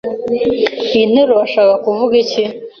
Iyi nteruro washakaga kuvuga iki?